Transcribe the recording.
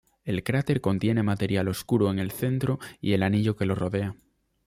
El cráter contiene material oscuro en el centro y el anillo que lo rodea.